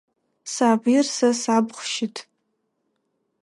Сабыир сэ сабгъу щыт.